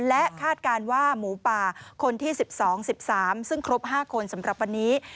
และคาดการณ์ว่าหมูป่าคนที่๑๒๑๓ซึ่งครบ๕คนสำหรับวันนี้